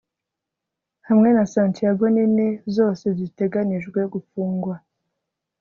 Hamwe na Santiago nini zose ziteganijwe gufungwa